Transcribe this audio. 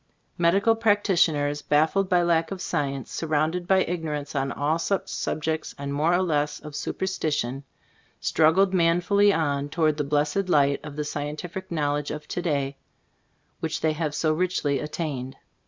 Medical practitioners, baffled by lack of science, surrounded by ignorance on all such subjects and more or less XLbc Store of flbv Cbtl&boo& 85 of superstition, struggled manfully on toward the blessed light of the scien tific knowledge of to day, which they have so richly attained.